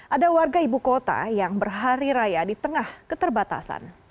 ada warga ibu kota yang berhari raya di tengah keterbatasan